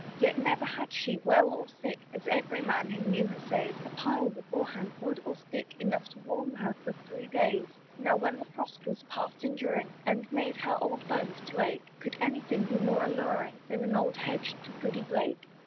Yet never had she, well or sick, As every man who knew her says, A pile before hand, wood or stick, Enough to warm her for three days. Now, when the frost was past enduring, And made her poor old bones to ache, Could any thing be more alluring, Than an old hedge to Goody Blake?